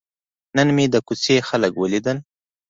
نن مې د کوڅې خلک ولیدل.